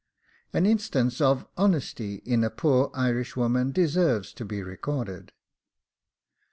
An instance of honesty in a poor Irishwoman deserves to be recorded.